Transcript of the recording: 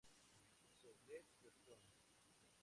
Soublette, Gastón.